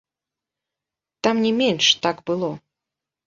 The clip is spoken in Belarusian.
Там не менш, так было.